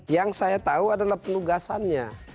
yang saya tahu adalah penugasannya